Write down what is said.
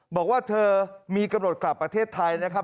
บอกว่าเธอมีกำหนดกลับประเทศไทยนะครับ